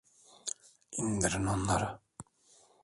İndirin onları!